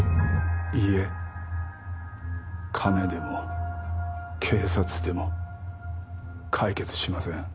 いいえ金でも警察でも解決しません